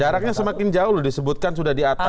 jaraknya semakin jauh loh disebutkan sudah di atas